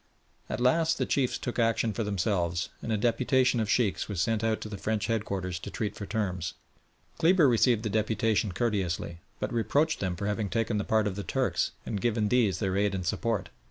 At last the chiefs took action for themselves, and a deputation of Sheikhs was sent out to the French headquarters to treat for terms. Kleber received the deputation courteously, but reproached them for having taken the part of the Turks, and given these their aid and support.